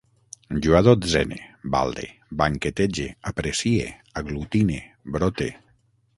Jo adotzene, balde, banquetege, aprecie, aglutine, brote